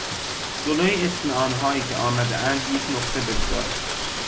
جلو اسم آنهایی که آمدهاند یک نقطه بگذار.